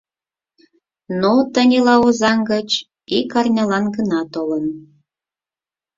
Но Танила Озаҥ гыч ик арнялан гына толын.